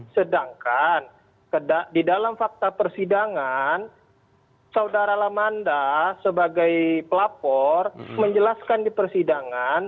sedangkan di dalam fakta persidangan saudara lamanda sebagai pelapor menjelaskan di persidangan